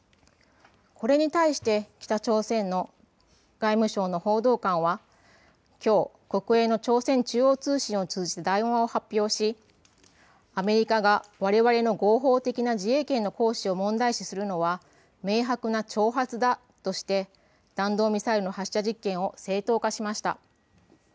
これに対して北朝鮮の外務省の報道官はきょう国営の朝鮮中央通信を通じて談話を発表し、アメリカがわれわれの合法的な自衛権の行使を問題視するのは明白な挑発だとして弾道ミサイルの発射実験を正当化しました。